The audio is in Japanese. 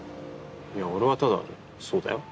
いや俺はただそうだよ